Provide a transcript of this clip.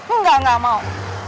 enggak enggak mau